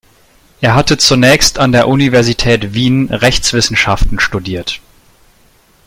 Er hatte zunächst an der Universität Wien Rechtswissenschaften studiert.